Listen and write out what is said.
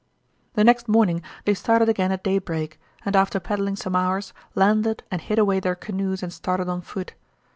"The next morning they started again at daybreak, and after paddling some hours landed and hid away their canoes and started on foot.